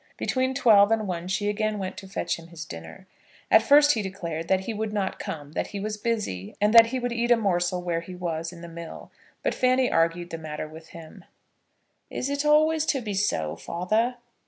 Between twelve and one she again went to fetch him to his dinner. At first he declared that he would not come, that he was busy, and that he would eat a morsel, where he was, in the mill. But Fanny argued the matter with him. "Is it always to be so, father?"